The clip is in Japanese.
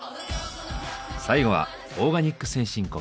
最後はオーガニック先進国